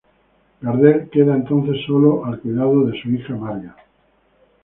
Gardel queda entonces solo al cuidado de su hija, Marga.